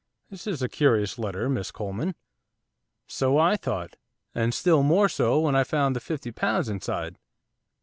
'This is a curious letter, Miss Coleman.' 'So I thought, and still more so when I found the fifty pounds inside.